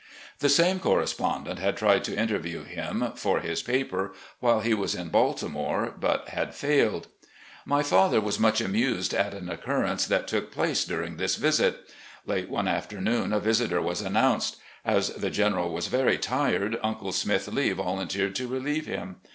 The same correspondent had tried to interview him, for his paper, while he was in Baltimore, but had failed. My father was much amused at an occurrence that took place during this visit. Late one afternoon a visitor was announced. As the General was very tired. Uncle Smith Lee volunteered to relieve him.